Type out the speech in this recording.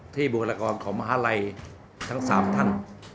บุรกรของมหาลัยทั้ง๓ท่าน